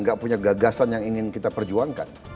gak punya gagasan yang ingin kita perjuangkan